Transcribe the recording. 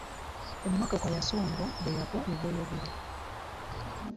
Emmotoka y'asooda bweyagwa eBweyogerere